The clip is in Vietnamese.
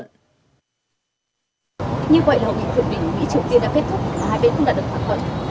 như vậy là hội nghị thượng đỉnh mỹ triều tiên đã kết thúc và hai bên cũng đã được thỏa thuận